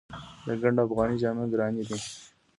د ګنډ افغاني جامې ګرانې دي؟